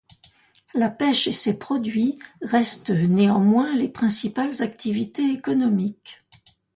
La pêche et ses produits restent néanmoins les principales activités économiques.